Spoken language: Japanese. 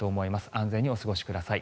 安全にお過ごしください。